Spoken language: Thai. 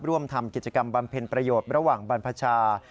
ร่วมทำกิจกรรมบำเพ็ญประโยชน์ระหว่างบรรพชา